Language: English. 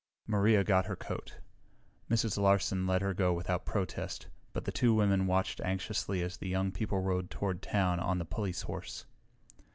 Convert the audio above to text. Maria got her coat. Mrs. Larsen let her go without protest, but the two women watched anxiously as the young people rode toward town on the police horse.